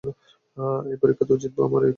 এই পরীক্ষাতেও জিতব এই আমার পণ রইল।